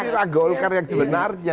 ini golkar yang sebenarnya